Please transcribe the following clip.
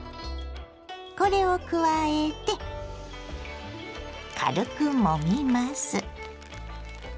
これを加えて軽くもみます。